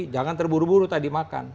jangan terburu buru tadi makan